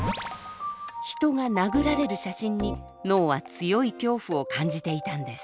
人が殴られる写真に脳は強い恐怖を感じていたんです。